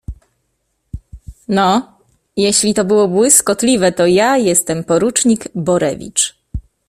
No, jeśli to było błyskotliwe, to ja jestem porucznik Borewicz.